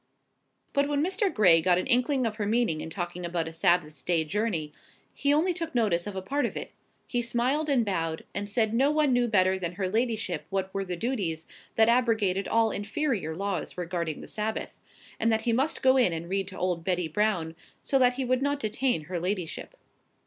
But when Mr. Gray got an inkling of her meaning in talking about a Sabbath day's journey, he only took notice of a part of it: he smiled and bowed, and said no one knew better than her ladyship what were the duties that abrogated all inferior laws regarding the Sabbath; and that he must go in and read to old Betty Brown, so that he would not detain her ladyship.